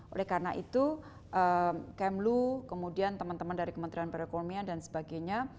oleh karena itu kemlu kemudian teman teman dari kementerian perekonomian dan sebagainya